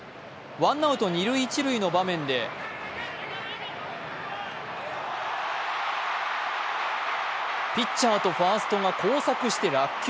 ワンアウト二・一塁の場面でピッチャーとファーストが交錯して落球。